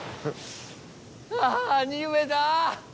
あぁ兄上だ！